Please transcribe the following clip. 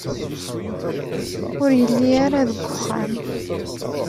Ur yelli ara deg uxxam.